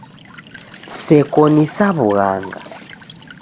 Seko ni sa w'ughanga.